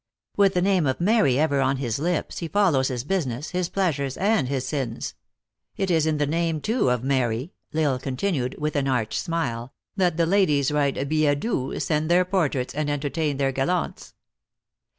With the name of Mary ever on his lips he follows his busi ness, his pleasures, and his sins. It is in the name, too, of Mary," L Isle continued, with an arch smile, " that the ladies write billetdoux, send their portraits, and entertain their gallants."